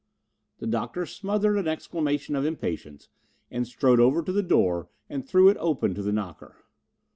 The Doctor smothered an exclamation of impatience and strode over to the door and threw it open to the knocker.